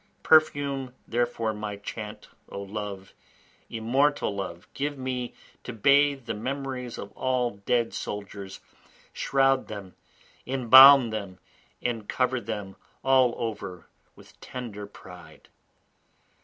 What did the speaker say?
Perfume therefore my chant, O love, immortal love, Give me to bathe the memories of all dead soldiers, Shroud them, embalm them, cover them all over with tender pride.